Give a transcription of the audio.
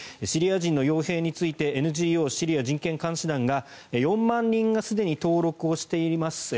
シリア人の傭兵についてＮＧＯシリア人権監視団が４万人がすでに登録しています